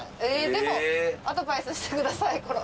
でもアドバイスしてください運転の。